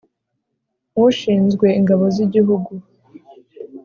ushinzwe Ingabo z Igihugu